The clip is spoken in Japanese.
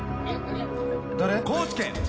誰？